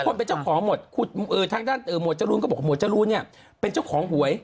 คนเป็นเจ้าของหมดทางด้านหมวดจรูนก็บอกหวดจรูนเนี่ยเป็นเจ้าของหวย